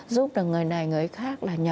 giúp được người này làm được việc này việc kia